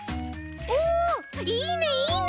おおいいねいいね。